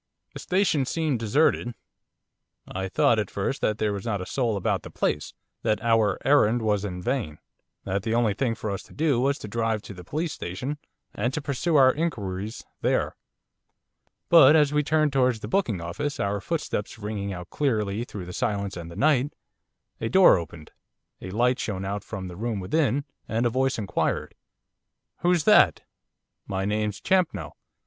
The station seemed deserted. I thought, at first, that there was not a soul about the place, that our errand was in vain, that the only thing for us to do was to drive to the police station and to pursue our inquiries there. But as we turned towards the booking office, our footsteps ringing out clearly through the silence and the night, a door opened, a light shone out from the room within, and a voice inquired: 'Who's that?' 'My name's Champnell.